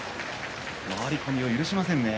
回り込みを許しませんね。